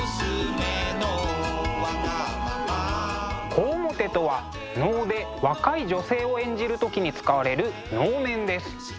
小面とは能で若い女性を演じる時に使われる能面です。